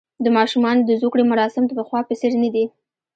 د ماشومانو د زوکړې مراسم د پخوا په څېر نه دي.